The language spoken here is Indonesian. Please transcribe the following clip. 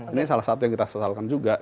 ini salah satu yang kita sesalkan juga